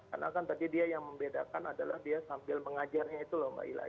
karena kan tadi dia yang membedakan adalah dia sambil mengajarnya itu mbak ila ya